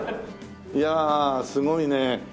いやあすごいね。